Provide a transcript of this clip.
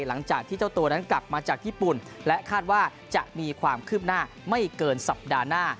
หลังจากที่เจ้าตัวนั้นกลับมาจากญี่ปุ่นและคาดว่าจะมีความคืบหน้าไม่เกินสัปดาห์หน้า